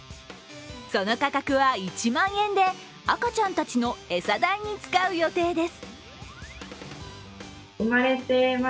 その価格は１万円で赤ちゃんたちの餌代に使う予定です。